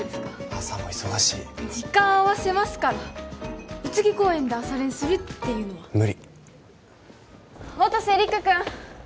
朝も忙しい時間合わせますから空木公園で朝練するというのは無理音瀬陸君